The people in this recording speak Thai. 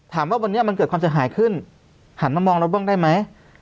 ถามว่าวันนี้มันเกิดความเสียหายขึ้นหันมามองเราบ้างได้ไหม